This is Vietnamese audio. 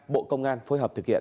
bộ công an phối hợp thực hiện